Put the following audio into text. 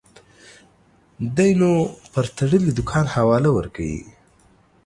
دى نو پر تړلي دوکان حواله ورکوي.